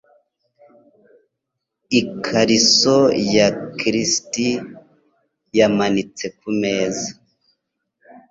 Ikariso ya kirisiti yamanitse kumeza.